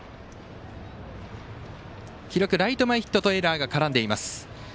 記録、ライト前ヒットとエラーが絡んでいます。